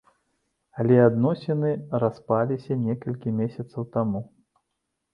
Але адносіны распаліся некалькі месяцаў таму.